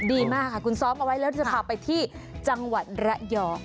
ดีมากค่ะคุณซ้อมเอาไว้แล้วจะพาไปที่จังหวัดระยอง